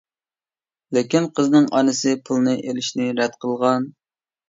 لېكىن قىزنىڭ ئانىسى پۇلنى ئېلىشنى رەت قىلغان.